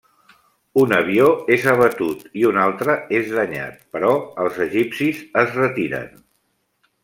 Un avió és abatut i un altre és danyat, però els egipcis es retiren.